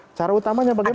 secara utamanya bagaimana